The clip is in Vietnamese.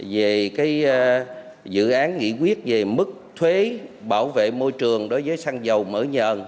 về dự án nghị quyết về mức thuế bảo vệ môi trường đối với xăng dầu mở nhờn